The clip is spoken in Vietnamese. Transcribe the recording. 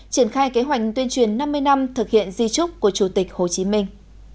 triển khai kế hoạch tuyên truyền năm mươi năm thực hiện di trúc của chủ tịch hồ chí minh